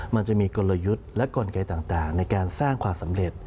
มันจะมีกลยุทธ์และกลไกต่างในการสร้างความสำเร็จ